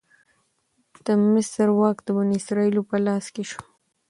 د مصر واک د بنی اسرائیلو په لاس کې شو.